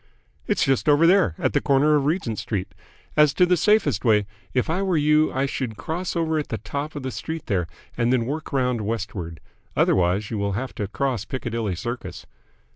"It's just over there, at the corner of Regent Street. As to the safest way, if I were you I should cross over at the top of the street there and then work round westward. Otherwise you will have to cross Piccadilly Circus."